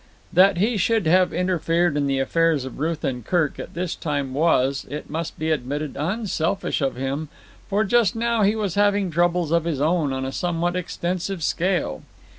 That he should have interfered in the affairs of Ruth and Kirk at this time was, it must be admitted, unselfish of him, for just now he was having troubles of his own on a somewhat extensive scale.